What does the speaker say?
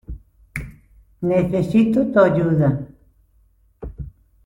Necesito tu ayuda.